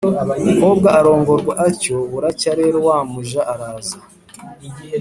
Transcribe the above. umukobwa arongorwa atyo buracya rero wa muja araza